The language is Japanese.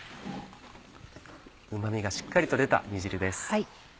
うま味がしっかりと出た煮汁です。